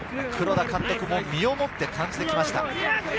黒田監督も身をもって感じてきました。